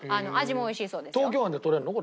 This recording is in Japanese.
東京湾でとれるの？